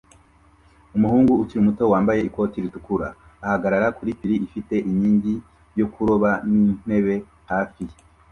Umuhungu ukiri muto wambaye ikoti ritukura ahagarara kuri pir ifite inkingi yo kuroba n'intebe hafi ye